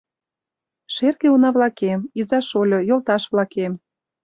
Шерге уна-влакем, иза-шольо, йолташ-влакем!